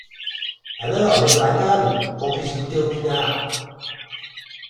alors mets-toi à table, qu’on puisse goûter au pinard